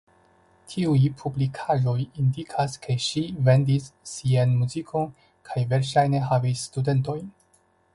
Tiuj publikaĵoj indikas ke ŝi vendis sian muzikon kaj verŝajne havis studentojn.